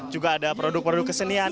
juga ada produk produk kesenian